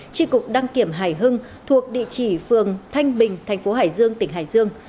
tri cục đăng kiểm hải hưng thuộc địa chỉ phường thanh bình thành phố hải dương tỉnh hải dương